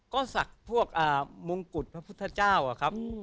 ก็สักพวกมงกุฎพระพุทธเจ้าครับ